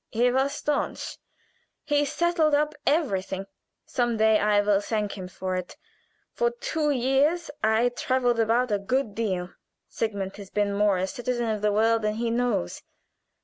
He was stanch. He settled up everything. Some day I will thank him for it. For two years I traveled about a good deal. Sigmund has been more a citizen of the world than he knows.